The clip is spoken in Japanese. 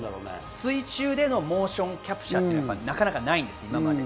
水中でのモーションキャプチャーはなかなかないんです、今まで。